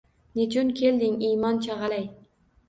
Nechun kelding – iymon chagʻalay.